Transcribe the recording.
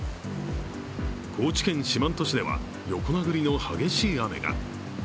高知県四万十市では横殴りの激しい雨が。